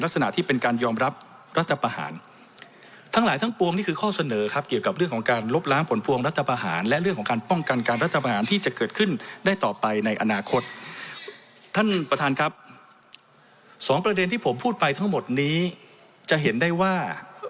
สองประเด็นที่ผมพูดไปทั้งหมดนี้จะเห็นได้ว่า